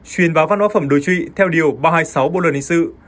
truyền vào văn hóa phẩm đối trụy theo điều ba trăm hai mươi sáu bộ luật hình sự